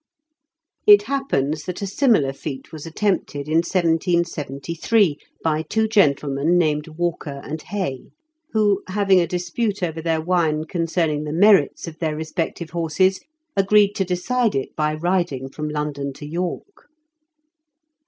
It happens that a similar feat was attempted in 1773 by two gentle men named Walker and Hay, who, having a dispute over their wine concerning the merits of their respective horses, agreed to decide it by riding from London to York.